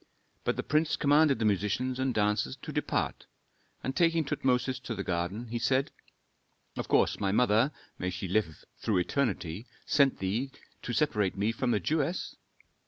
But the prince commanded the musicians and dancers to depart, and taking Tutmosis to the garden, he said, "Of course my mother may she live through eternity! sent thee to separate me from the Jewess?